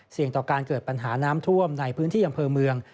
ต่อการเกิดปัญหาน้ำท่วมในพื้นที่อำเภอเมือง